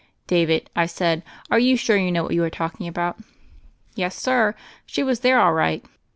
"David," I said, "are you sure you know what you are talking about?" "Yes, sir; she was there all right."